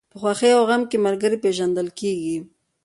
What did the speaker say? په خوښۍ او غم کې ملګری پېژندل کېږي.